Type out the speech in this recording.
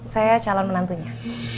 saya calon menantunya